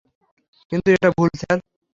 কিন্তু এটা ভুল, স্যার।